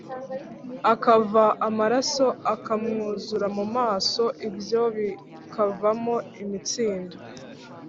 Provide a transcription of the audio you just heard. akava amaraso akamwuzura mu maso, ibyo bikavamo imitsindo